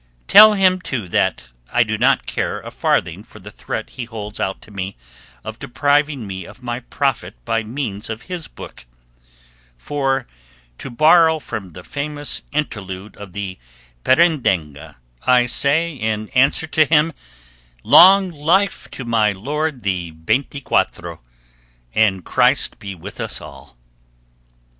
Tell him, too, that I do not care a farthing for the threat he holds out to me of depriving me of my profit by means of his book; for, to borrow from the famous interlude of "The Perendenga," I say in answer to him, "Long life to my lord the Veintiquatro, and Christ be with us all."